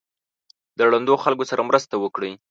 د ړندو خلکو سره مرسته وکړئ.